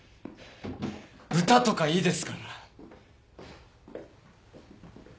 歌とかいいですから。